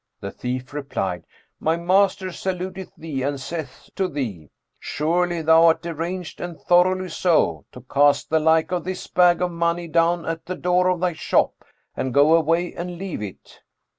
The thief replied, "My master saluteth thee and saith to thee: 'Surely thou art deranged and thoroughly so, to cast the like of this bag of money down at the door of thy shop and go away and leave it.'